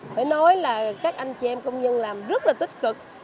phải nói là các anh chị em công nhân làm rất là tích cực